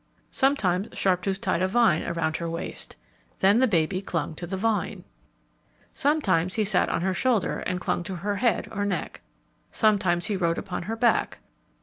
Sometimes Sharptooth tied a vine around her waist. Then the baby clung to the vine. Sometimes he sat on her shoulder and clung to her head or neck. Sometimes he rode upon her back.